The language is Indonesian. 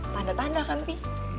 tanda tanda kan pi